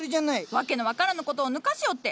訳の分からぬ事をぬかしおって！